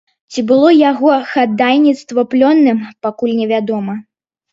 Ці было яго хадайніцтва плённым, пакуль невядома.